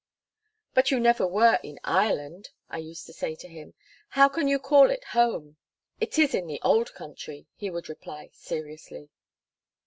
"But you never were in Ireland," I used to say to him, "how can you call it 'home'?" "It is in the old country," he would reply seriously.